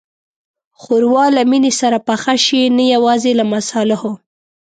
ښوروا له مینې سره پخه شي، نه یوازې له مصالحو.